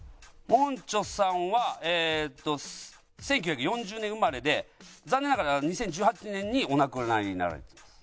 モンチョさんはえーっと１９４０年生まれで残念ながら２０１８年にお亡くなりになられてます。